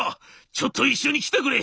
ちょっと一緒に来てくれ！」。